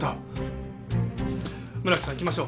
村木さん行きましょう。